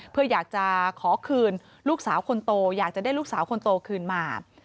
เพื่ออยากจะขอคืนลูกสาวคนโตอยากจะได้ลูกสาวคนโตคืนมา